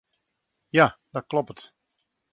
Ja, dat kloppet.